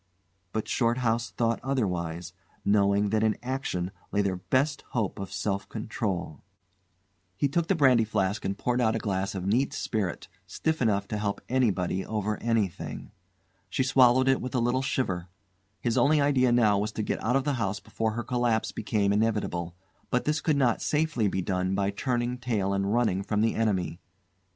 But Shorthouse thought otherwise, knowing that in action lay their best hope of self control. He took the brandy flask and poured out a glass of neat spirit, stiff enough to help anybody over anything. She swallowed it with a little shiver. His only idea now was to get out of the house before her collapse became inevitable; but this could not safely be done by turning tail and running from the enemy.